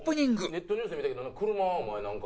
ネットニュースで見たけど車お前なんか。